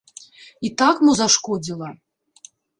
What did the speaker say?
І так мо зашкодзіла?